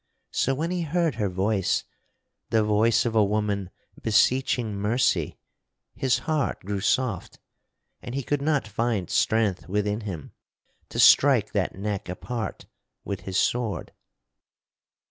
So when he heard her voice the voice of a woman beseeching mercy his heart grew soft, and he could not find strength within him to strike that neck apart with his sword.